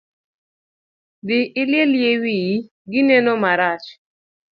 Dhii iliel yie wiyi , gi neno marach.